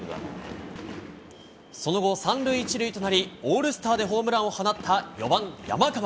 その後、３塁１塁となり、オールスターでホームランを放った４番山川。